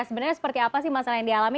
sebenarnya seperti apa sih masalah yang dialami